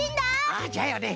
ああじゃよね。